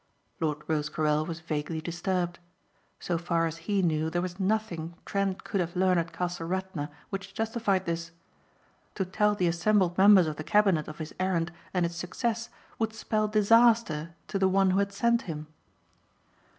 Lord Rosecarrel was vaguely disturbed. So far as he knew there was nothing Trent could have learned at Castle Radna which justified this. To tell the assembled members of the cabinet of his errand and its success would spell disaster to the one who had sent him.